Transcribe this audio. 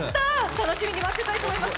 楽しみに待っていたいと思います！